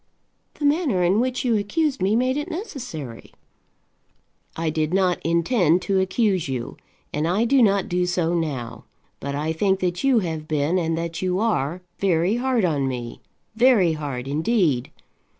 "The manner in which you accused me made it necessary." "I did not intend to accuse you, and I do not do so now; but I think that you have been, and that you are, very hard to me, very hard indeed.